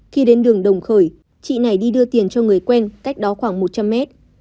khi đến đường đồng khởi chị này đi đưa tiền cho người quen cách đó khoảng một trăm linh mét